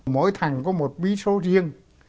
mỗi thằng có một bí số riêng